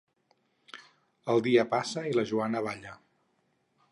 El dia passa i la Joana balla.